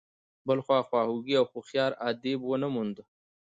بل خواخوږی او هوښیار ادیب ونه موند.